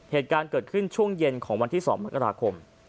เหตุการณ์เกิดขึ้นช่วงเย็นของวันที่๒มกราคม